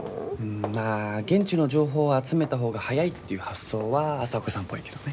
まあ現地の情報を集めた方が早いっていう発想は朝岡さんっぽいけどね。